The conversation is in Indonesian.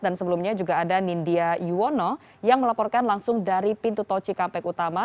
dan sebelumnya juga ada nindya yuwono yang melaporkan langsung dari pintu toci kampek utama